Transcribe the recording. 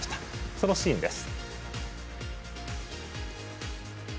そのシーンです。